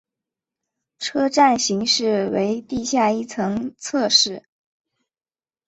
车站型式为地下一层侧式。